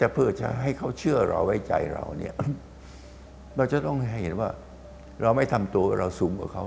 เพื่อจะให้เขาเชื่อเราไว้ใจเราเนี่ยเราจะต้องให้เห็นว่าเราไม่ทำตัวเราสูงกว่าเขา